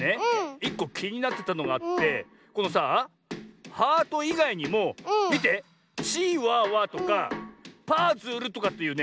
１こきになってたのがあってこのさあ「ハート」いがいにもみて「チワワ」とか「パズル」とかっていうね